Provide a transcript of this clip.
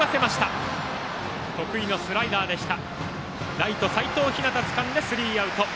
ライト、齋藤陽がつかんでスリーアウト。